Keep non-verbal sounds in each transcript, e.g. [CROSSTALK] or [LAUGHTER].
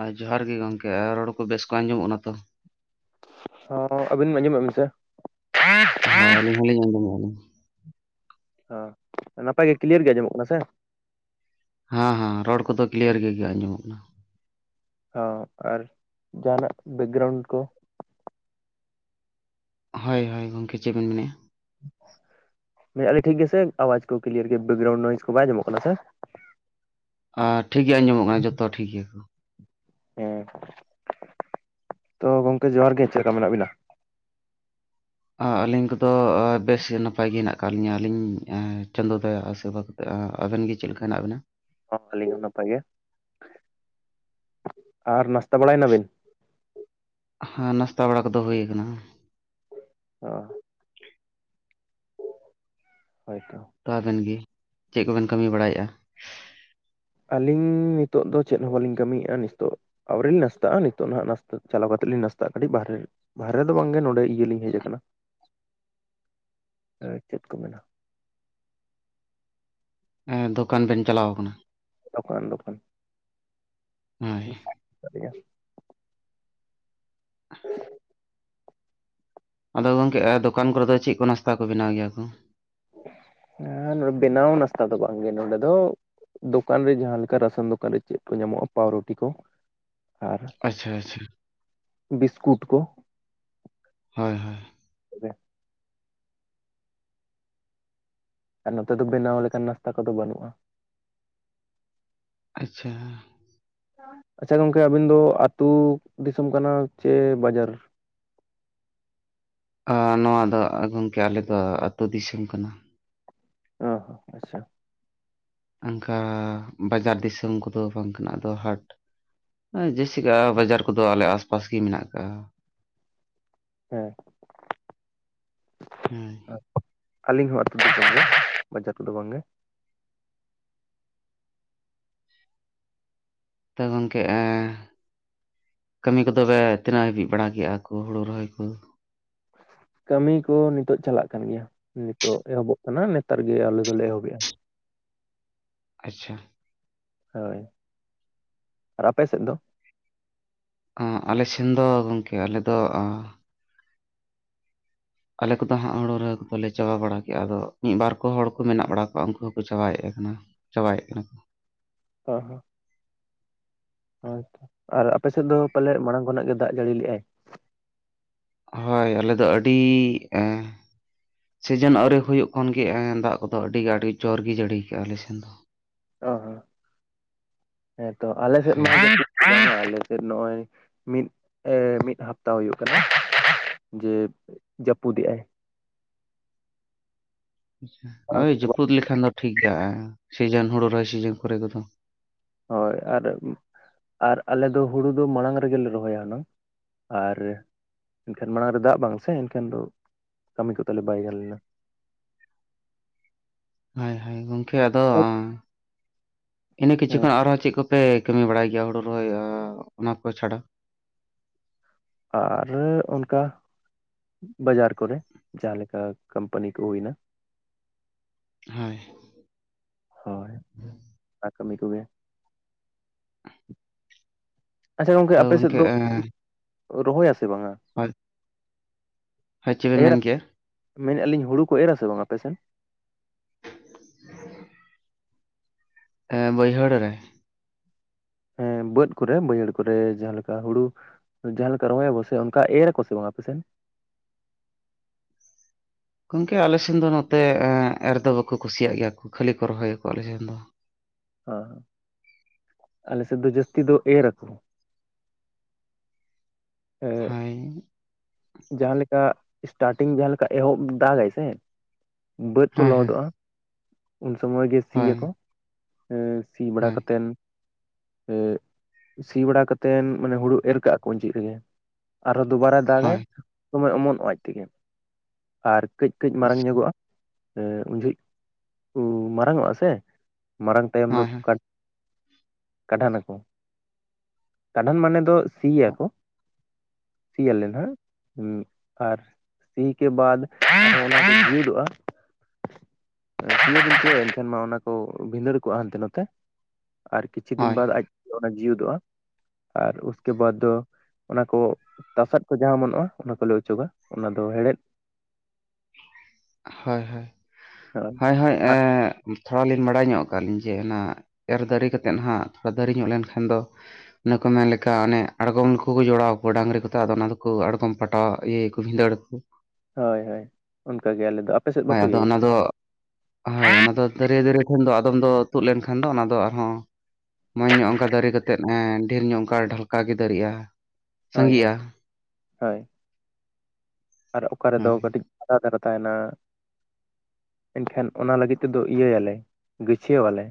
ᱟ ᱡᱚᱦᱟᱨ ᱜᱮ ᱜᱚᱝᱠᱮ ᱟᱨ ᱨᱚᱲ ᱠᱚ ᱵᱮᱥ ᱠᱚ ᱟᱸᱡᱚᱢᱚᱜ ᱠᱟᱱᱟ ᱛᱚ? ᱦᱚᱸ ᱟᱹᱵᱤᱱ ᱟᱸᱡᱚᱢᱮᱜ-ᱟ ᱵᱤᱱ ᱥᱮ? ᱦᱚᱸ ᱟᱞᱤᱧ ᱦᱚᱸᱞᱤᱧ ᱟᱸᱡᱚᱢᱮᱜᱼᱟ ᱞᱤᱧ᱾ ᱦᱚᱸ ᱱᱟᱯᱟᱭ ᱜᱮ ᱠᱞᱤᱭᱟᱨ ᱜᱮ ᱟᱸᱡᱚᱢᱚᱜ ᱠᱟᱱᱟ ᱥᱮ? ᱦᱚᱸ ᱦᱚᱸ ᱨᱚᱲ ᱠᱚᱫᱚ ᱠᱞᱤᱭᱟᱨ ᱜᱮ ᱜᱮ ᱟᱸᱡᱚᱢᱚᱜ ᱠᱟᱱᱟ᱾ ᱦᱚᱸ ᱟᱨ ᱡᱟᱦᱟᱱᱟᱜ ᱵᱮᱠᱜᱨᱟᱣᱩᱱᱰ ᱠᱚ? ᱦᱳᱭ ᱦᱳᱭ ᱜᱚᱝᱠᱮ ᱪᱮᱜ ᱵᱮᱱ ᱢᱮᱱᱮᱜᱼᱟ? ᱞᱟ. ᱭ ᱟᱞᱤᱧ ᱴᱷᱤᱠ ᱜᱮᱥᱮ ᱟᱣᱟᱡ ᱠᱚ ᱠᱞᱤᱭᱟᱨ ᱜᱮ ᱵᱮᱠᱜᱨᱟᱣᱩᱱ ᱱᱚᱭᱮᱥ ᱠᱚ ᱵᱟᱭ ᱟᱸᱢᱚᱢᱚᱜ ᱠᱟᱱᱟ ᱥᱮ? ᱟ ᱴᱷᱤᱠ ᱜᱮ ᱟᱸᱡᱚᱢᱚᱜ ᱠᱟᱱᱟ ᱡᱚᱛᱚ ᱴᱷᱤᱠ ᱜᱮᱭᱟ᱾ ᱦᱮᱸ, ᱛᱚ ᱜᱚᱝᱠᱮ ᱡᱚᱦᱟᱨ ᱜᱮ, ᱪᱮᱜ ᱞᱮᱠᱟ ᱢᱮᱱᱟᱜ ᱵᱤᱱᱟ? ᱟ ᱟᱹᱞᱤᱧ ᱠᱚᱫᱚ ᱵᱮᱥ ᱱᱟᱯᱟᱭ ᱜᱮ ᱦᱮᱱᱟᱜ ᱠᱟᱜ ᱞᱤᱧᱟᱹ ᱟᱹᱞᱤᱧ ᱟ ᱪᱟᱸᱫᱚ ᱫᱟᱭᱟᱜ ᱟᱥᱤᱨᱵᱟᱫ ᱛᱮ ᱟ ᱟᱵᱮᱱ ᱜᱮ ᱪᱮᱫ ᱞᱮᱠᱟ ᱦᱮᱱᱟᱜ ᱵᱮᱱᱟ? ᱦᱚᱸ ᱟᱹᱞᱤᱧ ᱦᱚᱸ ᱱᱟᱯᱟᱭ ᱜᱮ, ᱟᱨ ᱱᱟᱥᱛᱟ ᱵᱟᱲᱟᱭᱮᱱᱟᱵᱤᱱ? ᱦᱮᱸ ᱱᱟᱥᱛᱟ ᱵᱟᱲᱟ ᱠᱚᱫᱚ ᱦᱩᱭ ᱠᱟᱱᱟ᱾ ᱚ᱾ ᱦᱳᱭᱛᱚ᱾ ᱛᱚ ᱟᱵᱮᱱ ᱜᱮ ᱪᱮᱫ ᱠᱚᱵᱮᱱ ᱠᱟᱹᱢᱤ ᱵᱟᱲᱟᱭᱮᱜᱼᱟ? ᱟᱹᱞᱤᱧ ᱱᱤᱛᱚᱜ ᱫᱚ ᱪᱮᱫ ᱦᱚᱸ ᱵᱟᱹᱞᱤᱧ ᱠᱟᱹᱢᱤᱭᱮᱜᱼᱟ ᱱᱤᱥᱛᱚᱜ ᱟᱹᱣᱨᱤ ᱞᱤᱧ ᱱᱟᱥᱛᱟᱜᱼᱟ ᱱᱤᱛᱚᱜ ᱱᱟᱦᱟᱜ ᱱᱟᱥᱛᱟ ᱪᱟᱞᱟᱣ ᱠᱟᱛᱮᱜ ᱞᱤᱧ ᱱᱟᱥᱛᱟᱜ ᱠᱟᱴᱤᱡ ᱵᱟᱦᱨᱮ ᱨᱮ᱾ ᱵᱟᱦᱨᱮ ᱫᱚ ᱵᱟᱝᱜᱮ ᱱᱚᱸᱰᱮ ᱤᱭᱟᱹᱞᱤᱧ ᱦᱮᱡ ᱟᱠᱟᱱᱟ᱾ [INAUDIBLE] ᱮᱸ ᱪᱮᱫ ᱠᱚ ᱢᱮᱱᱟ? ᱮᱸ ᱫᱚᱠᱟᱱ ᱵᱮᱱ ᱪᱟᱞᱟᱣ ᱠᱟᱱᱟ? ᱫᱚᱠᱟᱱ ᱫᱚᱠᱟᱱ ᱦᱳᱭ᱾ [INAUDIBLE] ᱟᱫᱚ ᱜᱚᱝᱠᱮ ᱟ ᱫᱚᱠᱟᱱ ᱠᱚᱨᱮ ᱫᱚ ᱪᱮᱜ ᱠᱚ ᱱᱟᱥᱛᱟ ᱠᱚ ᱵᱮᱱᱟᱣ ᱜᱮᱭᱟ ᱠᱚ? ᱟ ᱱᱚᱰᱮ ᱵᱮᱱᱟᱣ ᱱᱟᱥᱛᱟ ᱫᱚ ᱵᱟᱝ ᱜᱮ ᱱᱚᱰᱮ ᱫᱚ ᱫᱚᱠᱟᱱ ᱨᱮ ᱡᱟᱦᱟᱸ ᱞᱮᱠᱟ ᱨᱟᱥᱚᱱ ᱫᱚᱠᱟᱱ ᱨᱮ ᱪᱮᱫ ᱠᱚ ᱧᱟᱢᱚᱜᱼᱟ ᱯᱟᱣᱨᱩᱴᱤ ᱠᱚ᱾ ᱟᱨ, ᱟᱪᱪᱷᱟ ᱟᱪᱪᱷᱟ ᱵᱤᱥᱠᱩᱴ ᱠᱚ᱾ ᱦᱳᱭ ᱦᱳᱭ᱾ ᱟᱨ ᱱᱚᱛᱮ ᱫᱚ ᱵᱮᱱᱟᱣ ᱞᱮᱠᱟᱱ ᱱᱟᱥᱛᱟ ᱠᱚᱫᱚ ᱵᱟᱹᱱᱩᱜᱼᱟ᱾ ᱟᱪᱪᱷᱟ᱾ ᱟᱪᱪᱷᱟ ᱜᱚᱝᱠᱮ ᱟᱹᱵᱤᱱ ᱫᱚ ᱟᱹᱛᱩ ᱫᱤᱥᱚᱢ ᱠᱟᱱᱟ ᱪᱮ ᱵᱟᱡᱟᱨ? ᱟᱸ ᱱᱚᱣᱟ ᱫᱚ ᱜᱚᱝᱠᱮ ᱟᱞᱮ ᱫᱚ ᱟᱹᱛᱩ ᱫᱤᱥᱚᱢ ᱠᱟᱱᱟ᱾ ᱚᱸᱦᱚ ᱟᱪᱪᱷᱟ᱾ ᱚᱱᱠᱟ ᱵᱟᱡᱟᱨ ᱫᱤᱥᱚᱢ ᱠᱚᱫᱚ ᱵᱟᱝ ᱠᱟᱱᱟ ᱟᱫᱚ ᱦᱟᱴ ᱮᱸ ᱡᱮᱥᱮᱠᱟ ᱵᱟᱡᱟᱨ ᱠᱚᱫᱚ ᱟᱞᱮ ᱟᱥᱯᱟᱥ ᱜᱮ ᱢᱮᱱᱟᱜ ᱠᱟᱜᱼᱟ᱾ ᱦᱮᱸ᱾ ᱦᱳᱭ᱾ ᱟ ᱟᱹᱞᱤᱧ ᱦᱚᱸ ᱟᱹᱛᱩ ᱫᱤᱥᱚᱢ ᱜᱮ ᱵᱟᱡᱟᱨ ᱠᱚᱫᱚ ᱵᱟᱝ ᱜᱮ᱾ ᱛᱚ ᱜᱚᱝᱠᱮ ᱮᱻ ᱠᱟᱹᱢᱤ ᱠᱚᱫᱚ ᱵᱮ ᱛᱤᱱᱟᱹᱜ ᱦᱟᱹᱵᱤᱡ ᱵᱟᱲᱟ ᱠᱮᱜᱼᱟ ᱠᱚ ᱦᱳᱲᱳ ᱨᱚᱦᱚᱭ ᱠᱚ? ᱠᱟᱹᱢᱤ ᱠᱚ ᱱᱤᱛᱳᱜ ᱪᱟᱞᱟᱜ ᱠᱟᱱ ᱜᱮᱭᱟ᱾ ᱱᱤᱛᱳᱜ ᱮᱦᱚᱵᱚᱜ ᱠᱟᱱᱟ ᱱᱮᱛᱟᱨ ᱜᱮ ᱟᱞᱮ ᱫᱚᱞᱮ ᱮᱦᱚᱵᱮᱜᱼᱟ᱾ ᱟᱪᱪᱷᱟ᱾ ᱦᱳᱭ, ᱟᱨ ᱟᱯᱮ ᱥᱮᱫ ᱫᱚ? ᱚᱸᱻ ᱟᱞᱮ ᱥᱮᱱ ᱫᱚ ᱜᱚᱝᱠᱮ ᱟᱞᱮ ᱫᱚ ᱚᱻ ᱟᱞᱮ ᱠᱚᱫᱚ ᱦᱟᱸᱜ ᱦᱳᱲᱳ ᱨᱚᱦᱚᱭ ᱠᱚᱫᱚ ᱞᱮ ᱪᱟᱵᱟ ᱵᱟᱲᱟ ᱠᱮᱜᱼᱟ ᱟᱫᱚ ᱢᱤᱫ ᱵᱟᱨ ᱠᱚ ᱦᱚᱲ ᱠᱚ ᱢᱮᱱᱟᱜ ᱵᱟᱲᱟ ᱠᱚᱣᱟ ᱩᱱᱠᱩ ᱦᱚᱸᱠᱚ ᱪᱟᱵᱟᱭᱮᱫ ᱠᱟᱱᱟ ᱾ ᱪᱟᱵᱟᱭᱮᱫ ᱠᱟᱱᱟ ᱠᱚ ᱾ ᱚ ᱦᱚᱸ ᱾ ᱦᱚᱭᱛᱚ ᱟᱨ ᱟᱯᱮ ᱥᱮᱫ ᱫᱚ ᱯᱟᱞᱮᱫ ᱢᱟᱲᱟᱝ ᱠᱷᱚᱱᱟᱜ ᱜᱮ ᱫᱟᱜ ᱡᱟᱹᱲᱤ ᱞᱮᱜ-ᱟᱭ ᱾ ᱦᱚᱭ ᱟᱞᱮ ᱫᱚ ᱟᱹᱰᱤ ᱮᱸᱻ ᱥᱤᱡᱤᱱ ᱟᱹᱣᱨᱤ ᱦᱩᱭᱩᱜ ᱠᱷᱚᱱ ᱜᱮ ᱫᱟᱜ ᱠᱚᱫᱚ ᱟᱹᱰᱤ ᱟᱹᱰᱤ ᱡᱳᱨ ᱜᱮ ᱡᱟᱹᱲᱤᱠᱟᱜᱼᱟᱭ ᱟᱞᱮ ᱥᱮᱱ ᱫᱚ ᱾ ᱚ ᱦᱚᱸ ᱦᱮᱸᱛᱚ ᱟᱞᱮ ᱥᱮᱫ ᱢᱟ ᱦᱮᱸ ᱮ ᱟᱞᱮ ᱥᱮᱫ ᱱᱚᱜᱼᱚᱭ ᱢᱤᱫ ᱢᱤᱫ ᱦᱟᱯᱛᱟ ᱦᱩᱭᱩᱜ ᱠᱟᱱᱟ ᱾ ᱡᱮ ᱡᱟᱹᱯᱩᱫᱮᱜ ᱟᱭ ᱾ ᱳᱭ ᱡᱟᱹᱯᱩᱫ ᱞᱮᱠᱷᱟᱱ ᱫᱚ ᱴᱷᱤᱠ ᱜᱮᱭᱟ ᱦᱮᱸ ᱥᱤᱡᱮᱱ ᱦᱳᱲᱳ ᱨᱚᱦᱚᱭ ᱥᱤᱡᱮᱱ ᱠᱚᱨᱮ ᱠᱚᱫᱚ ᱾ ᱦᱚᱭ ᱟᱨ ᱟᱨ ᱟᱞᱮ ᱫᱚ ᱦᱳᱲᱳ ᱫᱚ ᱢᱟᱲᱟᱝ ᱨᱮ ᱜᱮᱞᱮ ᱨᱚᱦᱚᱭᱟ ᱦᱩᱱᱟᱹᱝ ᱾ ᱟᱨ ᱮᱱᱠᱷᱟᱱ ᱢᱟᱲᱟᱝ ᱨᱮ ᱫᱟᱜ ᱵᱟᱝ ᱥᱮ ᱮᱱᱠᱷᱟᱱ ᱫᱚ ᱠᱟᱹᱢᱤ ᱠᱚ ᱛᱟᱞᱮ ᱵᱟᱭ ᱜᱟᱱ ᱞᱮᱱᱟ ᱾ ᱦᱚᱭ ᱦᱚᱭ ᱜᱚᱝᱠᱮ ᱟᱫᱚ ᱤᱱᱟᱹ ᱠᱤᱪᱷᱩ ᱦᱮᱸ ᱠᱷᱚᱱ ᱟᱨᱦᱚᱸ ᱪᱮᱫ ᱠᱚᱯᱮ ᱠᱟᱹᱢᱤ ᱵᱟᱲᱟᱭ ᱜᱮᱭᱟ ᱦᱳᱲᱳ ᱨᱚᱦᱚᱭ ᱚᱱᱟ ᱠᱚ ᱪᱷᱟᱰᱟ ᱾ ᱟᱨ ᱚᱱᱠᱟ ᱵᱟᱡᱟᱨ ᱠᱚᱨᱮ ᱡᱟᱦᱟᱸ ᱞᱮᱠᱟ ᱠᱚᱢᱯᱟᱱᱤ ᱠᱚ ᱦᱩᱭ ᱮᱱᱟ ᱾ ᱦᱚᱭ ᱾ ᱦᱚᱭ ᱚᱱᱟ ᱠᱟᱹᱢᱤ ᱠᱚᱜᱮ ᱾ ᱟᱪᱪᱷᱟ ᱜᱚᱝᱠᱮ ᱛᱚ ᱟᱯᱮ ᱥᱮᱫ ᱫᱚ ᱮᱸ ᱨᱚᱦᱚᱭᱟᱥᱮ ᱵᱟᱝᱟ? ᱦᱮ ᱪᱮᱫᱵᱮᱱ ᱢᱮᱱ ᱠᱮᱜ-ᱟ ᱾ ᱢᱮᱱ ᱮᱫᱞᱤᱧ ᱦᱳᱲᱳ ᱠᱚ ᱮᱨᱟ ᱥᱮ ᱵᱟᱝ ᱟᱯᱮᱥᱮᱱ? ᱮᱸ ᱵᱟᱹᱭᱦᱟᱹᱲ ᱨᱮ ᱾ ᱦᱮᱸ ᱵᱟᱹᱫᱽ ᱠᱚᱨᱮ ᱵᱟᱹᱭᱦᱟᱹᱲ ᱠᱚᱨᱮ ᱡᱟᱦᱟᱸ ᱞᱮᱠᱟ ᱦᱳᱲᱳ ᱡᱟᱦᱟᱸ ᱞᱮᱠᱟ ᱨᱚᱦᱚᱭᱟ ᱵᱚᱥᱮ ᱚᱱᱠᱟ ᱮᱨᱟ ᱠᱚ ᱥᱮ ᱵᱟᱝ ᱟᱯᱮᱥᱮᱱ? ᱜᱚᱝᱠᱮ ᱟᱞᱮ ᱥᱮᱱ ᱫᱚ ᱱᱚᱛᱮ ᱮᱨ ᱫᱚ ᱵᱟᱠᱚ ᱠᱩᱥᱤᱭᱟᱜ ᱜᱮᱭᱟ ᱠᱚ ᱠᱷᱟᱹᱞᱤ ᱠᱚ ᱨᱚᱦᱚᱭᱟᱠᱚ ᱟᱞᱮ ᱥᱮᱱ ᱫᱚ ᱾ ᱚ ᱟᱞᱮ ᱥᱮᱫ ᱫᱚ ᱡᱟᱹᱥᱛᱤ ᱫᱚ ᱮᱨ ᱟᱠᱚ ᱾ ᱦᱚᱭ ᱾ ᱡᱟᱦᱟᱸ ᱞᱮᱠᱟ ᱥᱴᱟᱨᱴᱤᱝ ᱡᱟᱦᱟᱸ ᱞᱮᱠᱟ ᱮᱦᱚᱵ ᱫᱟᱜᱟᱭ ᱥᱮ ᱵᱟᱹᱫᱽ ᱠᱚ ᱦᱳᱭ ᱞᱚᱦᱚᱫᱚᱜᱼᱟ ᱩᱱ ᱥᱚᱢᱚᱭ ᱜᱮ ᱦᱳᱭ ᱥᱤᱭᱟᱠᱚ ᱾ ᱥᱤ ᱵᱟᱲᱟ ᱦᱳᱭ ᱠᱟᱛᱮᱱ ᱮᱻ ᱥᱤ ᱵᱟᱲᱟ ᱠᱟᱛᱮᱱ ᱢᱟᱱᱮ ᱦᱳᱲᱳ ᱮᱨ ᱠᱟᱜ-ᱟ ᱠᱚ ᱟᱸᱡᱤᱫ ᱨᱮᱜᱮ ᱟᱨᱦᱚᱸ ᱫᱩᱵᱟᱨᱟ ᱫᱟᱜᱟᱭ ᱦᱳᱭ ᱦᱳᱭ ᱥᱚᱢᱚᱭ ᱚᱢᱚᱱᱚᱜ-ᱟ ᱟᱡ ᱛᱮᱜᱮ ᱟᱨ ᱠᱟᱹᱡ ᱠᱟᱹᱡ ᱢᱟᱨᱟᱝ ᱧᱚᱜᱚᱜ-ᱟ ᱾ ᱩᱱ ᱡᱷᱚᱜ ᱢᱟᱨᱟᱝᱚᱜ-ᱟ ᱥᱮ ᱢᱟᱨᱟᱝ ᱛᱟᱭᱚᱢ ᱫᱚ ᱦᱳᱭ ᱦᱳᱭ ᱦᱳᱭ ᱠᱟ ᱠᱟᱰᱷᱟᱱ ᱟᱠᱚ ᱠᱟᱰᱷᱟᱱ ᱢᱟᱱᱮ ᱫᱚ ᱥᱤᱭᱟ ᱠᱚ ᱥᱤᱭᱟᱞᱮ ᱱᱷᱟᱜ ᱾ ᱟᱨ ᱥᱤ ᱠᱮ ᱵᱟᱫᱽ ᱚᱱᱟ ᱠᱚ ᱡᱤᱣᱤᱫᱚᱜ-ᱟ ᱾ [UNINTELLIGIBLE] ᱮᱱᱠᱷᱟᱱ ᱢᱟ ᱚᱱᱟ ᱠᱚ ᱵᱷᱤᱸᱫᱟᱹᱲ ᱠᱚᱜ-ᱟ ᱦᱟᱱᱛᱮ ᱱᱷᱟᱛᱮ ᱟᱨ ᱠᱤᱪᱷᱩ ᱫᱤᱱ ᱵᱟᱫᱽ ᱟᱡ ᱚᱱᱟ ᱡᱤᱣᱤᱫᱚᱜ-ᱟ ᱟᱨ ᱩᱥᱠᱮ ᱵᱟᱫᱽ ᱫᱚ ᱚᱱᱟ ᱠᱚ ᱛᱟᱥᱟᱫ ᱠᱚ ᱡᱟᱦᱟᱸ ᱚᱢᱚᱱᱚᱜ-ᱟ ᱚᱱᱟ ᱠᱚᱞᱮ ᱚᱪᱚᱜᱟ ᱚᱱᱟ ᱫᱚ ᱦᱮᱲᱦᱮᱫ ᱦᱚᱭ ᱦᱚᱭ ᱾ [UNINTELLIGIBLE] ᱦᱚᱭ ᱦᱚᱭ ᱮᱻ ᱛᱷᱚᱲᱟ ᱞᱤᱧ ᱵᱟᱰᱟᱭ ᱧᱚᱜ ᱟᱠᱟᱜ ᱞᱤᱧ ᱡᱮ ᱚᱱᱟ ᱮᱨ ᱫᱟᱹᱨᱤ ᱠᱟᱛᱮᱫ ᱦᱟᱸᱜ ᱛᱷᱚᱲᱟ ᱫᱟᱹᱨᱤ ᱧᱚᱜ ᱞᱮᱱᱠᱷᱟᱱ ᱫᱚ ᱚᱱᱮ ᱠᱚ ᱢᱮᱱ ᱞᱮᱠᱟ ᱚᱱᱮ ᱟᱬᱜᱚᱢ ᱠᱚᱠᱩ ᱡᱚᱲᱟᱣ ᱟᱠᱚᱣᱟ ᱰᱟᱝᱨᱤ ᱠᱚᱛᱮ ᱟᱫᱚ ᱚᱱᱟ ᱫᱚᱠᱚ ᱟᱬᱜᱚᱢ ᱯᱟᱴᱟᱣᱟᱜ ᱤᱭᱟᱹ ᱠᱩ ᱵᱷᱤᱸᱫᱟᱹᱲ ᱟᱹᱠᱩ ᱾ ᱦᱳᱭ ᱦᱳᱭ ᱩᱝᱠᱟ ᱜᱮ ᱟᱞᱮ ᱫᱚ᱾ ᱟᱯᱮ ᱥᱮᱫ ᱦᱳᱭ ᱵᱟᱠᱚ ᱟᱫᱚ ᱤᱭᱟᱹᱭᱟ ᱚᱱᱟ ᱫᱚ ᱦᱳᱭ ᱚᱱᱟ ᱫᱚ ᱫᱟᱹᱨᱭᱟᱹ ᱫᱟᱹᱨᱭᱟᱹ ᱴᱷᱮᱱ ᱫᱚ ᱟᱫᱚᱢ ᱫᱚ ᱛᱩᱫ ᱞᱮᱱᱠᱷᱟᱱ ᱫᱚ ᱚᱱᱟ ᱫᱚ ᱟᱨᱦᱚᱸ ᱢᱚᱡᱽ ᱧᱚᱜ ᱚᱱᱠᱟ ᱫᱟᱨᱤ ᱠᱟᱛᱮᱫ ᱮᱸ ᱰᱷᱮᱨ ᱧᱚᱜ ᱚᱝᱠᱟ ᱰᱷᱟᱞᱠᱟ ᱜᱮ ᱫᱟᱨᱮᱜ-ᱟ᱾ ᱦᱳᱭ ᱦᱳᱭ ᱦᱳᱭ ᱟᱨ ᱚᱠᱟ ᱨᱮᱫᱚ ᱦᱳᱭ ᱠᱟᱹᱴᱤᱡ ᱟᱠᱟ ᱫᱷᱟᱨᱮ ᱛᱟᱦᱮᱸᱱᱟ? ᱮᱱᱠᱷᱟᱱ ᱚᱱᱟ ᱞᱟᱹᱜᱤᱫ ᱛᱮᱫᱚ ᱤᱭᱟᱹᱭᱟᱞᱮ ᱜᱟᱹᱪᱷᱟᱹᱣᱟᱞᱮ᱾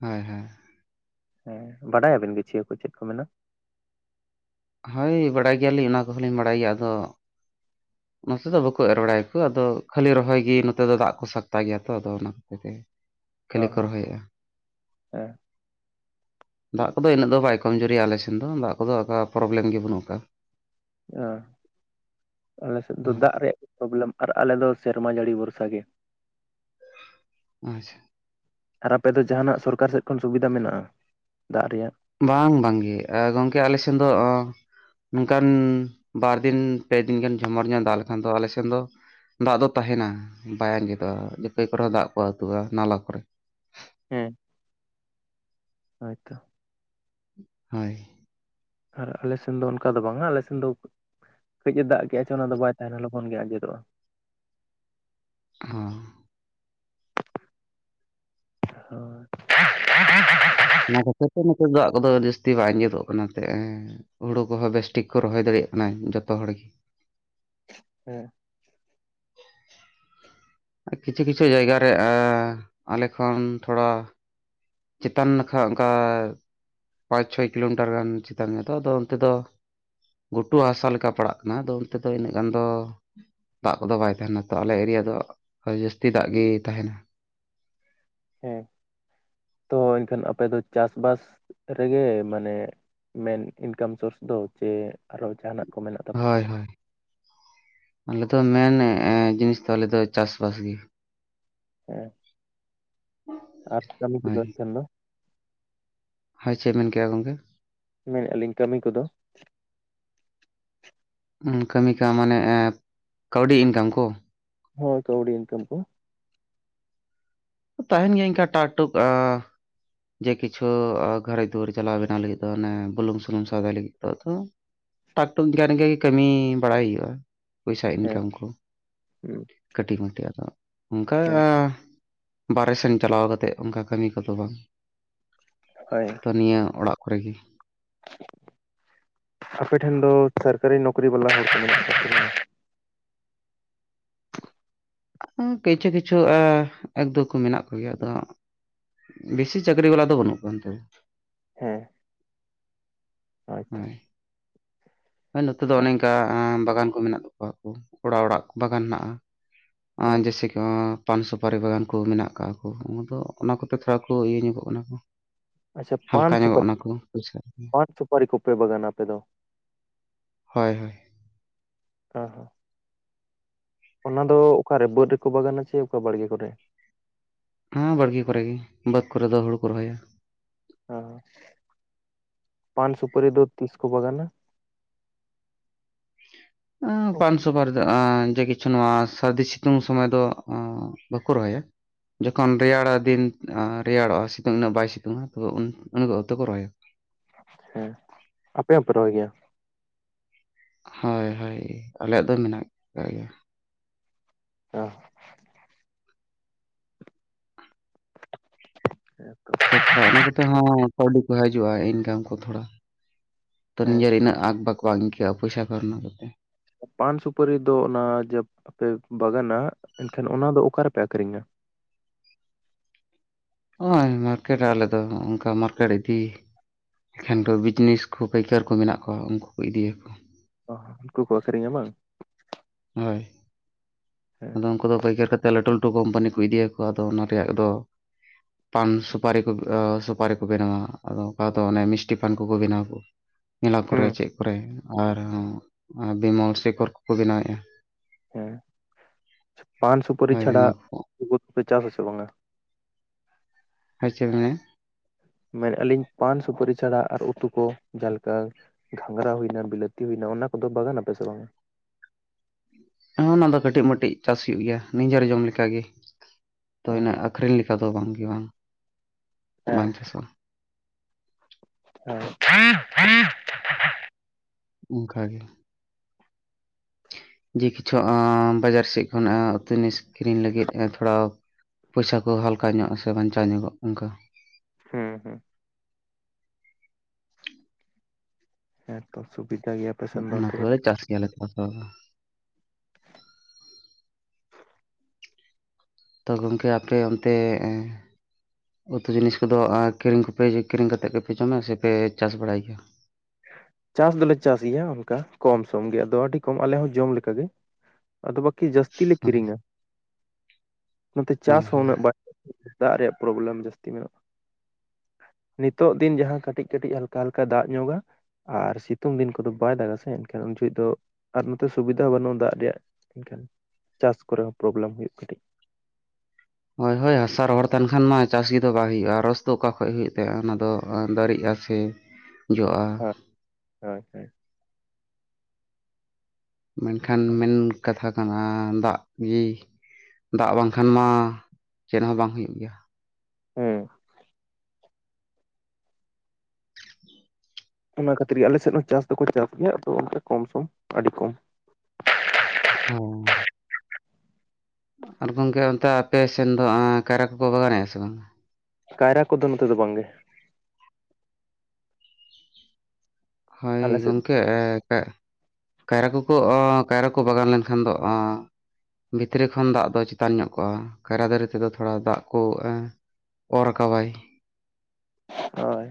ᱦᱳᱭ ᱦᱳᱭ᱾ ᱦᱮᱸ ᱵᱟᱰᱟᱭ ᱟᱵᱮᱱ ᱜᱟᱹᱪᱷᱤᱭᱟᱹ ᱠᱩ ᱪᱮᱫ ᱠᱩ ᱢᱮᱱᱟ? ᱦᱳᱭ ᱵᱟᱲᱟᱭ ᱜᱮᱭᱟᱞᱤᱧ ᱚᱱᱟ ᱠᱚᱦᱚᱸ ᱞᱤᱧ ᱵᱟᱲᱟᱭ ᱜᱮᱭᱟ, ᱟᱫᱚ ᱱᱚᱛᱮ ᱫᱚ ᱵᱟᱠᱩ ᱮᱨ ᱵᱟᱲᱟᱭᱟᱠᱩ ᱟᱫᱚ ᱠᱷᱟᱹᱞᱤ ᱨᱚᱦᱚᱭ ᱜᱮ ᱱᱚᱛᱮ ᱫᱚ ᱫᱟᱜ ᱠᱚ ᱥᱟᱠᱛᱟ ᱜᱮᱭᱟ ᱛᱚ ᱟᱫᱚ ᱚᱱᱟ ᱠᱷᱟᱹᱛᱤᱨ ᱛᱮ ᱚ ᱠᱷᱟᱹᱞᱤ ᱠᱚ ᱦᱚᱸ ᱨᱚᱦᱚᱭᱮᱜᱼᱟ᱾ ᱦᱮᱸ ᱫᱟᱜ ᱠᱚᱫᱚ ᱤᱱᱟᱹᱜ ᱫᱚ ᱵᱟᱭ ᱠᱚᱢ ᱡᱩᱨᱤᱭᱟ ᱟᱞᱮ ᱥᱮᱱ ᱫᱚ ᱫᱟᱜ ᱠᱚᱫᱚ ᱟᱠᱟ ᱯᱨᱚᱵᱞᱮᱢ ᱜᱮ ᱵᱟᱹᱱᱩᱜ ᱠᱟᱜ-ᱟ᱾ ᱚ ᱟᱞᱮ ᱥᱮᱫ ᱫᱚ ᱫᱟᱜ ᱨᱮᱭᱟᱜ ᱯᱨᱚᱵᱞᱮᱢ ᱟᱨ ᱟᱞᱮ ᱫᱚ ᱥᱮᱨᱢᱟ ᱡᱟᱹᱲᱤ ᱵᱷᱩᱨᱥᱟ ᱜᱮ᱾ ᱟᱪᱪᱷᱟ᱾ ᱟᱨ ᱟᱯᱮ ᱫᱚ ᱡᱟᱦᱟᱸᱱᱟᱜ ᱥᱚᱨᱠᱟᱨ ᱥᱮᱫ ᱠᱷᱚᱱ ᱥᱩᱵᱤᱫᱟ ᱢᱤᱱᱟᱜᱼᱟ ᱫᱟᱜ ᱨᱤᱭᱟᱜ? ᱵᱟᱝ ᱵᱟᱝᱜᱤ ᱟ ᱜᱚᱝᱠᱮ ᱟᱞᱮ ᱥᱮᱱ ᱫᱚ ᱱᱚᱝᱠᱟᱱ ᱵᱟᱨ ᱫᱤᱱ ᱯᱮ ᱫᱤᱱ ᱜᱟᱱ ᱡᱷᱚᱢᱚᱨ ᱧᱚᱜ ᱫᱟᱜ ᱞᱮᱠᱷᱟᱱ ᱫᱚ ᱟᱞᱮ ᱥᱮᱱ ᱫᱚ ᱫᱟᱜ ᱫᱚ ᱛᱟᱦᱮᱸᱱᱟ ᱵᱟᱭ ᱟᱸᱡᱮᱫᱚᱜ-ᱟ, ᱱᱟᱹᱭ ᱠᱚᱨᱮ ᱦᱚᱸ ᱫᱟᱜ ᱠᱚ ᱟᱹᱛᱩᱜ-ᱟ ᱱᱟᱞᱟ ᱠᱚᱨᱮ᱾ ᱦᱮᱸ ᱦᱳᱭᱛᱚ᱾ ᱦᱳᱭ᱾ ᱟᱨ ᱟᱞᱮ ᱥᱮᱱ ᱫᱚ ᱚᱝᱠᱟ ᱫᱚ ᱵᱟᱝᱟ ᱟᱞᱮ ᱥᱮᱱ ᱫᱚ ᱠᱟᱹᱡ ᱮ ᱫᱟᱜ ᱠᱮᱜ-ᱟ ᱪᱚ ᱚᱱᱟᱫᱚ ᱵᱟᱭ ᱛᱟᱦᱮᱸᱱᱟ ᱞᱚᱜᱚᱱ ᱜᱮ ᱟᱸᱡᱮᱫᱚᱜ-ᱟ᱾ ᱦᱩᱸ᱾ ᱦᱳᱭ [UNINTELLIGIBLE] ᱚᱱᱟ ᱠᱷᱟᱹᱛᱤᱨ ᱛᱮ ᱱᱚᱛᱮ ᱫᱚ ᱫᱟᱜ ᱠᱚᱫᱚ ᱡᱟᱹᱥᱛᱤ ᱵᱟᱝ ᱟᱸᱡᱮᱫᱚᱜ ᱠᱟᱱᱟ ᱛᱮ, ᱦᱩᱲᱩ ᱠᱚᱦᱚᱸ ᱵᱮᱥᱴᱷᱤᱠ ᱠᱚ ᱨᱚᱦᱚᱭ ᱫᱟᱲᱤᱭᱟᱜ ᱠᱟᱱᱟ ᱡᱚᱛᱚ ᱦᱚᱲᱜᱤ᱾ ᱦᱮᱸ᱾ ᱠᱤᱪᱷᱩ ᱠᱤᱪᱷᱩ ᱡᱟᱭᱜᱟ ᱨᱮ ᱟᱻ ᱟᱞᱮ ᱠᱷᱚᱱ ᱛᱷᱚᱲᱟ ᱪᱮᱛᱟᱱ ᱱᱟᱠᱷᱟ ᱚᱝᱠᱟ ᱯᱟᱸᱪ ᱪᱷᱚᱭ ᱠᱤᱞᱳᱢᱤᱴᱟᱨ ᱜᱟᱱ ᱪᱮᱛᱟᱱ ᱫᱚ ᱟᱫᱚ ᱚᱱᱛᱮ ᱫᱚ ᱜᱷᱩᱴᱩ ᱦᱟᱥᱟ ᱞᱮᱠᱟ ᱯᱟᱲᱟᱜ ᱠᱟᱱᱟ, ᱟᱫᱚ ᱚᱱᱛᱮ ᱫᱚ ᱤᱱᱟᱹᱜ ᱜᱟᱱ ᱫᱚ, ᱫᱟᱜ ᱠᱚᱫᱚ ᱵᱟᱭ ᱛᱟᱦᱮᱸᱱᱟ ᱛᱚ ᱟᱞᱮ ᱮᱨᱤᱭᱟ ᱫᱚ ᱟᱹᱰᱤ ᱡᱟᱹᱥᱛᱤ ᱫᱟᱜ ᱜᱤ ᱛᱟᱦᱮᱸᱱᱟ᱾ ᱦᱮᱸ ᱛᱚ ᱮᱱᱠᱷᱟᱱ ᱟᱯᱮ ᱫᱚ ᱪᱟᱥ-ᱵᱟᱥ ᱨᱮᱜᱮ ᱢᱟᱱᱮ ᱢᱮᱱ ᱤᱱᱠᱟᱢ ᱥᱳᱨᱥ ᱫᱚ ᱪᱮ ᱟᱨᱚ ᱡᱟᱦᱟᱸᱱᱟᱜ ᱦᱳᱭ ᱦᱳᱭ, ᱟᱞᱮ ᱫᱚ ᱢᱮᱱ ᱡᱤᱱᱤᱥ ᱫᱚ ᱛᱟᱞᱮ ᱫᱚ ᱪᱟᱥ-ᱵᱟᱥ ᱜᱮ᱾ ᱦᱮᱸ ᱟᱨ ᱠᱟᱹᱢᱤ ᱠᱚᱫᱚ ᱦᱳᱭ ᱮᱱᱠᱷᱟᱱ ᱫᱚ? ᱦᱳᱭ ᱪᱮᱜ ᱢᱮᱱ ᱠᱮᱜᱼᱟ ᱜᱚᱝᱠᱮ? ᱢᱮᱱᱮᱫᱼᱟ ᱞᱤᱧ ᱠᱟᱹᱢᱤ ᱠᱚᱫᱚ? ᱦᱩᱸ ᱠᱟᱹᱢᱤᱠᱟ ᱢᱟᱱᱮ ᱠᱟᱹᱣᱰᱤ ᱤᱱᱠᱟᱢ ᱠᱚ? ᱦᱳᱭ ᱠᱟᱹᱣᱰᱤ ᱤᱱᱠᱟᱢ ᱠᱳ? ᱛᱟᱦᱮᱸᱱ ᱜᱮᱭᱟ ᱤᱱᱠᱟ ᱴᱟᱜ ᱴᱩᱠ ᱟ ᱡᱮ ᱠᱤᱪᱷᱩ ᱟ ᱜᱷᱟᱨᱤᱡ ᱫᱩᱣᱟᱹᱨ ᱪᱟᱞᱟᱣ ᱵᱮᱱᱟᱣ ᱞᱟᱹᱜᱤᱫ ᱫᱚ ᱚᱱᱮ ᱵᱩᱞᱩᱝ ᱥᱩᱱᱩᱢ ᱥᱟᱫᱟᱭ ᱞᱟᱹᱜᱤᱫ ᱫᱚ ᱛᱚ ᱴᱟᱠ-ᱴᱩᱠ [UNINTELLIGIBLE] ᱜᱤ ᱠᱟᱹᱢᱤ ᱵᱟᱲᱟᱭ ᱦᱩᱭᱩᱜᱼᱟ᱾ ᱯᱚᱭᱥᱟ ᱦᱮᱸ ᱤᱱᱠᱟᱢ ᱠᱚ ᱦᱮᱸ ᱠᱟᱹᱴᱤᱡ ᱢᱟᱹᱴᱤᱡ ᱟᱫᱚ ᱚᱱᱠᱟ ᱦᱮᱸ ᱵᱟᱨᱦᱮ ᱥᱮᱱ ᱪᱟᱞᱟᱣ ᱠᱟᱛᱮᱫᱜ ᱚᱝᱠᱟ ᱠᱟᱹᱢᱤ ᱠᱚᱫᱚ ᱵᱟᱝ᱾ ᱦᱳᱭ᱾ ᱛᱚ, ᱱᱤᱭᱟᱹ ᱚᱲᱟᱜ ᱠᱚᱨᱮ ᱜᱮ᱾ ᱟᱯᱮ ᱴᱷᱮᱱ ᱫᱚ ᱛᱷᱟᱨᱠᱟᱨᱤ ᱱᱚᱠᱨᱤ ᱵᱟᱞᱟ [INAUDIBLE] ᱩᱸ ᱠᱤᱪᱷᱩ-ᱠᱤᱪᱷᱩ ᱮ ᱮᱠ, ᱫᱩ ᱠᱚ ᱢᱮᱱᱟᱜ ᱠᱚᱜᱮᱭᱟ ᱟᱫᱚ ᱵᱤᱥᱤ ᱪᱟᱠᱨᱤ ᱵᱟᱞᱟ ᱫᱚ ᱵᱟᱹᱱᱩᱜ ᱠᱚᱣᱟ ᱱᱚᱛᱮ ᱫᱚ᱾ ᱦᱮᱸ, ᱚᱭᱛᱚ᱾ ᱦᱳᱭ ᱦᱳᱭ, ᱱᱚᱛᱮ ᱫᱚ ᱚᱱᱮ ᱚᱝᱠᱟ ᱮᱸ ᱵᱟᱜᱟᱱ ᱠᱚ ᱢᱮᱱᱟᱜ ᱛᱟᱠᱚᱣᱟ ᱠᱚ, ᱚᱲᱟ-ᱚᱲᱟᱜ ᱵᱟᱜᱟᱱ ᱦᱮᱱᱟᱜᱼᱟ᱾ ᱟᱪᱪᱷᱟ ᱟᱸ ᱡᱮᱥᱮ ᱠᱚᱸ ᱯᱟᱱ, ᱥᱩᱯᱟᱨᱤ ᱵᱟᱜᱟᱱ ᱠᱚ ᱢᱮᱱᱟᱜ ᱠᱟᱜᱼᱟ ᱠᱚ ᱩᱸᱫᱚ ᱚᱱᱟ ᱠᱚᱛᱮ ᱛᱷᱚᱲᱟ ᱠᱚ ᱤᱭᱟᱹ ᱧᱚᱜᱚᱜ ᱠᱟᱱᱟ ᱠᱚ᱾ ᱟᱪᱪᱷᱟ, ᱯᱟᱱ, ᱦᱟᱞᱠᱟ ᱧᱚᱜᱚᱜ ᱥᱩᱯᱟᱹᱨᱤ᱾ ᱠᱟᱱᱟ ᱠᱚ ᱯᱚᱭᱥᱟ ᱯᱟᱱ, ᱥᱩᱯᱟᱹᱨᱤ ᱠᱚᱯᱮ ᱵᱟᱜᱟᱱᱟ ᱟᱯᱮ ᱫᱚ? ᱦᱳᱭ-ᱦᱳᱭ᱾ ᱚ ᱦᱚᱸ ᱚᱱᱟ ᱫᱚ ᱚᱠᱟ ᱨᱮ ᱵᱟᱹᱴ ᱨᱮᱠᱚ ᱵᱟᱜᱟᱱᱟ ᱪᱮ ᱚᱠᱟ ᱵᱟᱲᱜᱮ ᱠᱚᱨᱮ? ᱦᱟᱸ, ᱵᱟᱲᱜᱤ ᱠᱚᱨᱮ ᱜᱮ, ᱵᱟᱹᱫᱽ ᱠᱚᱨᱮ ᱫᱚ ᱦᱩᱲᱩ ᱠᱚ ᱨᱚᱦᱚᱭᱟ᱾ ᱟᱸ ᱯᱟᱱ, ᱥᱩᱯᱟᱹᱨᱤ ᱫᱚ ᱛᱤᱥ ᱠᱚ ᱵᱟᱜᱟᱱᱟ? ᱟᱸ ᱚᱠ- ᱯᱟᱱ, ᱥᱩᱯᱟᱨᱤ ᱫᱚ ᱟᱸ ᱡᱮ ᱠᱤᱪᱷᱩ ᱱᱚᱣᱟ ᱥᱟᱫᱽᱫᱤ ᱥᱤᱛᱩᱝ ᱥᱚᱢᱚᱭ ᱫᱚ ᱚᱸ ᱵᱟᱠᱚ ᱨᱚᱦᱚᱭᱟ᱾ ᱡᱚᱠᱷᱚᱱ ᱨᱮᱭᱟᱲᱟ ᱫᱤᱱ ᱟᱸ ᱨᱮᱭᱟᱲᱚᱜᱼᱟ, ᱥᱤᱛᱟᱹᱝ ᱤᱱᱟᱹᱜ ᱵᱟᱭ ᱥᱤᱛᱩᱝᱟ ᱛᱚ ᱩᱱ-ᱩᱱ ᱚᱠᱛᱚ ᱠᱚ ᱨᱚᱦᱚᱭᱟ᱾ ᱦᱮᱸ, ᱟᱯᱮ ᱣᱚᱯᱮ ᱨᱚᱦᱚᱭ ᱜᱮᱭᱟ? ᱦᱳᱭ-ᱦᱳᱭ, ᱟᱞᱮᱭᱟᱜ ᱫᱚ ᱢᱮᱱᱟᱜ ᱠᱟᱜ ᱜᱮᱭᱟ᱾ ᱟ᱾ ᱮᱸᱛᱚ᱾ ᱛᱚ ᱛᱷᱚᱲᱟ ᱚᱱᱟ ᱠᱚᱛᱮ ᱦᱚᱸ ᱠᱟᱹᱣᱰᱤ ᱠᱚ ᱦᱤᱡᱩᱜᱼᱟ, ᱤᱱᱠᱟᱢ ᱠᱚ ᱛᱷᱚᱲᱟ᱾ ᱛᱚ ᱦᱮᱸ, ᱱᱤᱭᱟᱹ ᱨᱤᱱᱟᱹᱜ ᱟᱠ-ᱵᱟᱠ ᱵᱟᱝ ᱠᱟᱹᱜᱼᱟ ᱯᱚᱭᱥᱟ ᱠᱚᱨᱱᱟᱜ ᱠᱟᱛᱮ᱾ ᱯᱟᱱ, ᱥᱩᱯᱟᱹᱨᱤ ᱫᱚ ᱚᱱᱟ ᱡᱮᱯ ᱯᱮ ᱵᱟᱜᱟᱱᱟ, ᱮᱱᱠᱷᱟᱱ ᱚᱱᱟ ᱫᱚ ᱚᱠᱟ ᱨᱮᱯᱮ ᱟᱠᱷᱨᱤᱧᱟ? ᱚᱸᱭ ᱢᱟᱨᱠᱮᱴ ᱟᱞᱮ ᱫᱚ, ᱚᱝᱠᱟ ᱢᱟᱨᱠᱮᱴ ᱤᱫᱤ ᱮᱠᱷᱮᱱ ᱠᱚ ᱵᱤᱡᱽᱱᱮᱥ ᱠᱚ, ᱯᱟᱹᱭᱠᱟᱹᱨ ᱠᱚ ᱢᱮᱱᱟᱜ ᱠᱚᱣᱟ, ᱩᱝᱠᱩ ᱠᱚ ᱤᱫᱤᱭᱟ ᱠᱚ᱾ ᱚᱦ ᱩᱝᱠᱩ ᱠᱚ ᱟᱹᱠᱷᱨᱤᱧᱟ ᱵᱟᱝ? ᱦᱳᱭ, ᱦᱮᱸ ᱟᱫᱚ ᱩᱝᱠᱩ ᱫᱚ ᱯᱟᱹᱭᱠᱟᱹᱨ ᱠᱟ ᱛᱮ ᱞᱟᱹᱴᱩ-ᱞᱟᱹᱴᱩ ᱠᱳᱢᱯᱟᱱᱤ ᱠᱚ ᱤᱫᱤᱭᱟᱠᱚᱣᱟ, ᱟᱫᱚ ᱚᱱᱟ ᱨᱮᱭᱟᱜ ᱫᱚ ᱯᱟᱱ, ᱥᱩᱯᱟᱨᱤ ᱠᱚ ᱟ ᱥᱩᱯᱟᱨᱤ ᱠᱚ ᱵᱮᱱᱟᱣᱟ᱾ ᱟᱫᱚ ᱚᱠᱟ ᱫᱚ ᱚᱱᱮ ᱢᱤᱥᱴᱤ ᱯᱟᱱ ᱠᱚᱠᱚ ᱵᱮᱱᱟᱣᱟ ᱠᱚ᱾ ᱢᱮᱞᱟ ᱠᱚᱨᱮ, ᱦᱩᱸ ᱪᱮᱜ ᱠᱚᱨᱮ ᱟᱨ ᱦᱚᱸ ᱟᱸ ᱵᱤᱢᱚᱞ, ᱥᱮᱠᱚᱨ ᱠᱚ-ᱠᱚ ᱵᱮᱱᱟᱣᱮᱜᱼᱟ᱾ ᱦᱮᱸ ᱯᱟᱱ, ᱥᱩᱯᱟᱹᱨᱤ ᱦᱳᱭ ᱪᱷᱟᱲᱟ ᱚᱱᱟ ᱠᱚ ᱜᱩᱛ ᱯᱮ ᱪᱟᱥ ᱟᱥᱮ ᱵᱟᱝᱟ? ᱦᱮ ᱪᱚᱝᱮ! ᱢᱮᱱᱮᱜᱼᱟ ᱞᱤᱧ ᱯᱟᱱ, ᱥᱩᱯᱟᱹᱨᱤ ᱪᱷᱟᱲᱟ ᱟᱨ ᱩᱛᱩ ᱠᱚ ᱡᱟ ᱞᱮᱠᱟ ᱜᱷᱟᱸᱜᱽᱨᱟ ᱦᱩᱭᱱᱟ, ᱵᱤᱞᱟᱹᱛᱤ ᱦᱩᱭᱱᱟ ᱚᱱᱟ ᱠᱚᱫᱚ ᱵᱟᱜᱟᱱᱟ ᱯᱮ ᱥᱮ ᱵᱟᱝᱟ? ᱮᱸ ᱱᱟ ᱫᱚ ᱠᱟᱹᱴᱤᱜ-ᱢᱟᱹᱴᱤᱜ ᱪᱟᱥ ᱦᱩᱭᱩᱜ ᱜᱮᱭᱟ ᱱᱤᱡᱮᱹᱨ ᱡᱚᱢ ᱞᱮᱠᱟ ᱜᱮ᱾ ᱛᱚ ᱚ ᱤᱱᱟᱹᱜ ᱟᱹᱠᱷᱨᱤᱧ ᱞᱮᱠᱟ ᱫᱚ ᱵᱟᱝᱜᱮ ᱵᱟᱝ ᱦᱮᱸ ᱵᱟᱝ ᱪᱟᱥᱚᱜᱼᱟ᱾ ᱚ [INAUDIBLE] ᱚᱝᱠᱟ ᱜᱮ ᱡᱮ ᱠᱤᱪᱷᱩ ᱟᱸ ᱵᱟᱡᱟᱨ ᱥᱮᱜ ᱠᱷᱚᱱ ᱟᱸ ᱩᱛᱩ ᱱᱤᱥ ᱠᱤᱨᱤᱧ ᱞᱟᱹᱜᱤᱫ ᱮᱸ ᱛᱷᱚᱲᱟᱣ ᱯᱚᱭᱥᱟ ᱠᱚ ᱦᱟᱞᱠᱟ ᱧᱚᱜ ᱥᱮ ᱵᱟᱧᱪᱟᱣ ᱧᱚᱜᱚᱜ ᱚᱝᱠᱟ᱾ ᱦᱮᱸ-ᱦᱮᱸ᱾ ᱦᱮᱸᱛᱚ, ᱥᱩᱵᱤᱫᱟ ᱜᱮᱭᱟᱯ [INAUDIBLE] ᱛᱚ ᱜᱚᱝᱠᱮ, ᱟᱯᱮ ᱚᱱᱛᱮ ᱮᱸ ᱩᱛᱩ ᱡᱤᱱᱤᱥ ᱠᱚᱫᱚ ᱟᱸ ᱠᱤᱨᱤᱧ ᱠᱚᱯᱮ ᱭᱮ ᱠᱤᱨᱤᱧ ᱠᱟᱛᱮᱜ ᱜᱮᱯᱮ ᱡᱚᱢᱟ ᱥᱮ ᱯᱮ ᱪᱟᱥ ᱵᱟᱲᱟᱭ ᱜᱮᱭᱟ? ᱪᱟᱥ ᱫᱚᱞᱮ ᱪᱟᱥ ᱜᱮᱭᱟ ᱚᱱᱠᱟ ᱠᱚᱢ ᱥᱚᱢ ᱜᱮ ᱟᱫᱚ ᱟᱹᱰᱤ ᱠᱚᱢ ᱟᱞᱮ ᱦᱚᱸ ᱡᱚᱢ ᱞᱮᱠᱟᱜᱮ ᱾ ᱟᱫᱚ ᱵᱟᱠᱤ ᱡᱟᱹᱥᱛᱤ ᱞᱮ ᱦᱳᱭ ᱠᱤᱨᱤᱧᱟ ᱱᱚᱛᱮ ᱦᱳᱭ ᱪᱟᱥ ᱦᱚᱸ ᱦᱳᱭ ᱩᱱᱟᱹᱜ ᱵᱟᱭ ᱫᱟᱜ ᱨᱮᱭᱟᱜ ᱯᱨᱚᱵᱽᱞᱮᱢ ᱡᱟᱹᱥᱛᱤ ᱢᱮᱱᱟᱜᱼᱟ ᱾ ᱱᱤᱛᱚᱜ ᱫᱤᱱ ᱡᱟᱦᱟᱸ ᱠᱟᱹᱴᱤᱡ ᱠᱟᱹᱴᱤᱡ ᱦᱟᱞᱠᱟ ᱦᱟᱞᱠᱟ ᱫᱟᱜ ᱧᱚᱜᱟ ᱾ ᱟᱨ ᱥᱤᱛᱩᱝ ᱫᱤᱱ ᱠᱚᱫᱚ ᱵᱟᱭ ᱫᱟᱜᱟ ᱥᱮ ᱮᱱᱠᱷᱟᱱ ᱩᱱ ᱡᱩᱦᱩᱜ ᱫᱚ ᱟᱨ ᱱᱚᱛᱮ ᱥᱩᱵᱤᱫᱷᱟ ᱵᱟᱹᱱᱩᱜᱼᱟ ᱫᱟᱜ ᱨᱮᱭᱟᱜ ᱮᱱᱠᱷᱟᱱ ᱪᱟᱥ ᱠᱚᱨᱮ ᱦᱚᱸ ᱯᱨᱚᱵᱽᱞᱮᱢ ᱦᱩᱭᱩᱜ ᱠᱟᱹᱴᱤᱡ ᱾ ᱦᱳᱭ ᱦᱳᱭ ᱦᱟᱥᱟ ᱨᱚᱦᱚᱲ ᱛᱟᱦᱮᱱ ᱠᱷᱟᱱ ᱢᱟ ᱪᱟᱥ ᱜᱮᱫᱚ ᱵᱟᱭ ᱦᱩᱭᱩᱜᱼᱟ ᱨᱚᱥ ᱫᱚ ᱚᱠᱟ ᱠᱷᱚᱡ ᱦᱩᱭᱩᱜ ᱛᱟᱭᱟ ᱚᱱᱟ ᱫᱚ ᱫᱟᱨᱮᱜᱼᱟ ᱥᱮ ᱡᱚᱜᱼᱟ ᱾ ᱦᱳᱭ ᱦᱳᱭ ᱾ ᱢᱮᱱᱠᱷᱟᱱ ᱦᱳᱭ ᱢᱮᱱ ᱠᱟᱛᱷᱟ ᱟᱸᱻ ᱫᱟᱜ ᱜᱤ ᱫᱟᱜ ᱵᱟᱝᱠᱷᱟᱱ ᱢᱟ ᱪᱮᱫ ᱦᱚᱸ ᱵᱟᱝ ᱦᱩᱭᱩᱜ ᱜᱮᱭᱟ ᱾ ᱦᱩᱸᱻ [INAUDIBLE] ᱚᱱᱟ ᱠᱷᱟᱹᱛᱤᱨ ᱜᱮ ᱟᱞᱮ ᱥᱮᱡ ᱦᱚᱸ ᱪᱟᱥ ᱫᱚᱠᱚ ᱪᱟᱥ ᱜᱮᱭᱟ ᱟᱫᱚ ᱚᱱᱠᱟ ᱠᱚᱢ ᱥᱚᱢ ᱟᱹᱰᱤ ᱠᱚᱢ ᱾ ᱦᱚᱸᱻ ᱟᱨ ᱜᱚᱢᱠᱮ ᱚᱱᱛᱮ ᱟᱯᱮ ᱥᱮᱱ ᱫᱚ ᱮᱸᱻ ᱠᱟᱭᱨᱟ ᱠᱚᱠᱚ ᱵᱟᱜᱟᱱᱮᱜᱼᱟ ᱥᱮ ᱵᱟᱝ? ᱠᱟᱭᱨᱟ ᱠᱚᱫᱚ ᱱᱚᱛᱮ ᱫᱚ ᱵᱟᱝᱜᱮ ᱾ ᱦᱳᱭ ᱟᱞᱮ ᱥᱮᱫ ᱜᱚᱢᱠᱮ ᱮᱻ ᱠᱟ ᱠᱟᱭᱨᱟ ᱠᱚᱠᱚ ᱚᱻ ᱠᱟᱭᱨᱟ ᱠᱚ ᱵᱟᱜᱟᱱ ᱞᱮᱱᱠᱷᱟᱱ ᱫᱚ ᱟᱻ ᱵᱷᱤᱛᱨᱤ ᱠᱷᱚᱱ ᱫᱟᱜ ᱫᱚ ᱪᱮᱛᱟᱱ ᱧᱚᱜ ᱠᱚᱜᱼᱟ ᱠᱟᱭᱨᱟ ᱫᱟᱨᱮ ᱛᱮᱫᱚ ᱛᱷᱚᱲᱟ ᱫᱟᱜ ᱠᱚ ᱮᱻ ᱚᱨ ᱨᱟᱠᱟᱵᱟᱭ ᱾ ᱦᱳᱭ ᱾